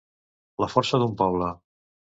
La força d’un poble.